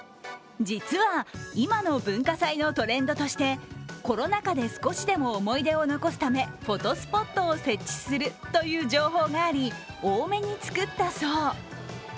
実は今の文化祭のトレンドとしてコロナ禍で少しでも思い出を残すため、フォトスポットを設置するという情報があり、多めに作ったそう。